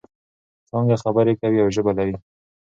څانګه خبرې کوي او ژبه لري.